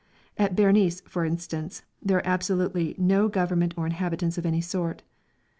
At Berenice, for instance, there are absolutely no government or inhabitants of any sort.